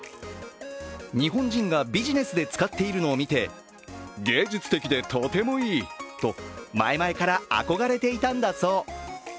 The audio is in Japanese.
日本人がビジネスで使っているのを見て芸術的でとてもいいと前々から憧れていたんだそう。